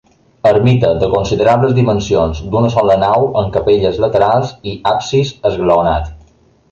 Ermita, de considerables dimensions, d'una sola nau amb capelles laterals i absis esglaonat.